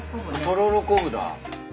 とろろ昆布だ。